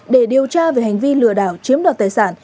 để điều tra về hành vi lừa đảo chiếm đoạt tài sản